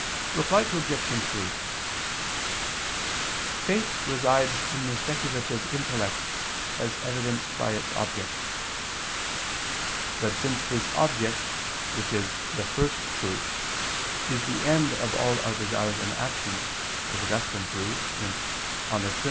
Reply Obj. 3: Faith resides in the speculative intellect, as evidenced by its object. But since this object, which is the First Truth, is the end of all our desires and actions, as Augustine proves (De Trin.